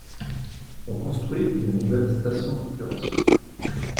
On construit une nouvelle station d'épuration.